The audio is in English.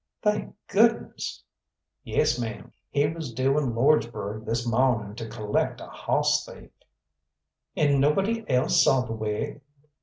"Thank goodness!" "Yes, ma'am, he was due in Lordsburgh this mawning to collect a hoss thief." "And nobody else saw the wig?"